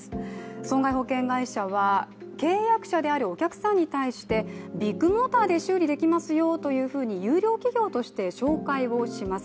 損害保険会社は、契約者であるお客さんに対してビッグモーターで修理できますよというふうに優良企業として紹介をします。